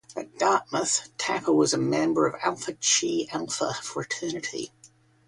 At Dartmouth, Tapper was a member of Alpha Chi Alpha fraternity.